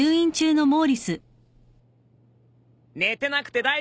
寝てなくて大丈夫かよ